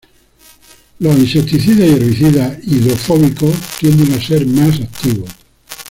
Los insecticidas y herbicidas hidrofóbicos tienden a ser más activos.